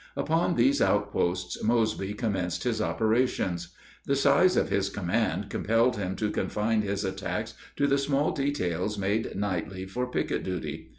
Upon these outposts Mosby commenced his operations. The size of his command compelled him to confine his attacks to the small details made nightly for picket duty.